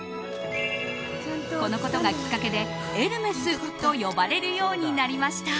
このことがきっかけでエルメスと呼ばれるようになりました。